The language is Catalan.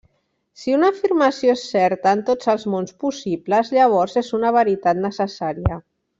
Si una afirmació és certa en tots els mons possibles, llavors és una veritat necessària.